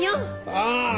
ああ。